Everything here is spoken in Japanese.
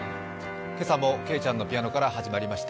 今朝も、けいちゃんのピアノから始まりました。